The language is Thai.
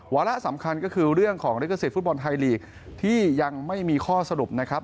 ละสำคัญก็คือเรื่องของลิขสิทธิฟุตบอลไทยลีกที่ยังไม่มีข้อสรุปนะครับ